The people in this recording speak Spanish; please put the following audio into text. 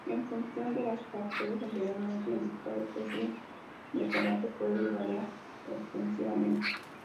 En función de los factores anteriormente indicados el radio de combate puede variar ostensiblemente.